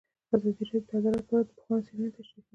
ازادي راډیو د عدالت په اړه د پوهانو څېړنې تشریح کړې.